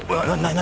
何？